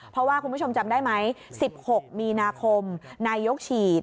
เพราะว่าคุณผู้ชมจำได้ไหม๑๖มีนาคมนายกฉีด